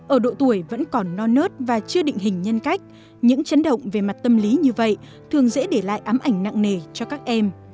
ở độ tuổi vẫn còn non nớt và chưa định hình nhân cách những chấn động về mặt tâm lý như vậy thường dễ để lại ám ảnh nặng nề cho các em